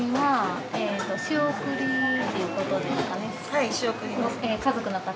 はい仕送りです。